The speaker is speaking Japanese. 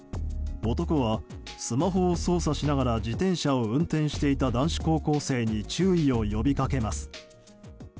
男はスマホを操作しながら自転車を運転していた男子高校生に注意を呼びかけます。